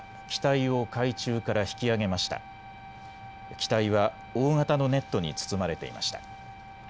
機体は大型のネットに包まれていました。